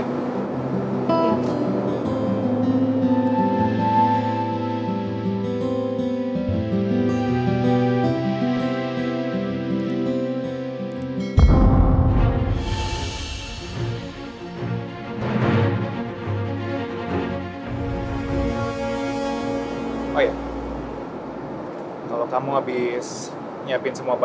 lain kali jangan telat ya